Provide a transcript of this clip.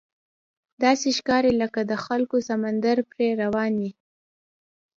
داسې ښکاري لکه د خلکو سمندر پرې روان وي.